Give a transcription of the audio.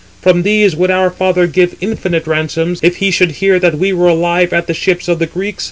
From these would our father give infinite ransoms, if he should hear that we were alive at the ships of the Greeks."